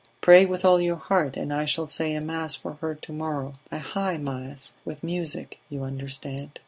Pray with all your heart, and I shall say a mass for her to morrow a high mass with music, you understand."